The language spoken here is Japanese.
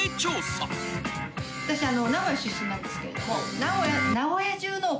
私名古屋出身なんですけれども。